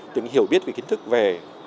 từng hiểu biết về kiến thức về